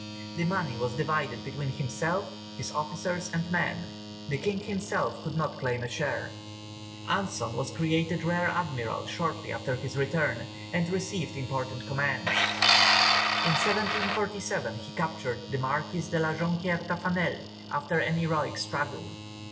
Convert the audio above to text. The money was divided between himself, his officers, and men; the king himself could not claim a share. Anson was created rear admiral shortly after his return, and received important commands. In 1747, he captured the Marquis of La Jonquière Taffanel, after an heroic struggle.